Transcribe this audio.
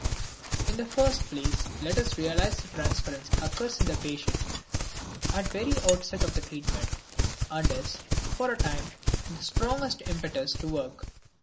In the first place, let us realize that the transference occurs in the patient at the very outset of the treatment and is, for a time, the strongest impetus to work.